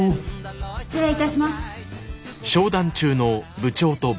失礼いたします。